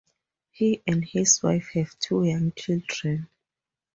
He and his wife have two young children.